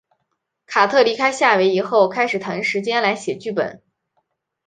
卡特离开夏威夷后开始腾时间来写剧本。